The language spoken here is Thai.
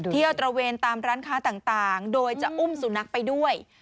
ตระเวนตามร้านค้าต่างโดยจะอุ้มสุนัขไปด้วย